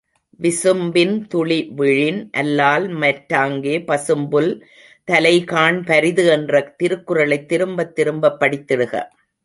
விசும்பின் துளிவிழின் அல்லால்மற் றாங்கே பசும்புல் தலைகாண் பரிது என்ற திருக்குறளைத் திரும்பத் திரும்ப படித்திடுக!